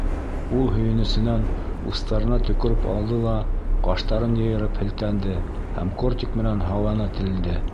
Ул һөйөнөсөнән устарына төкөрөп алды ла ҡаштарын йыйырып һелтәнде һәм кортик менән һауаны телде.